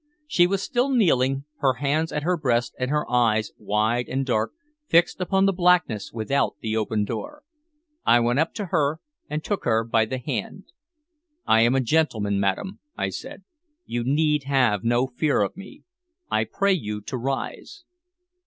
She was still kneeling, her hands at her breast, and her eyes, wide and dark, fixed upon the blackness without the open door. I went up to her and took her by the hand. "I am a gentleman, madam," I said. "You need have no fear of me. I pray you to rise."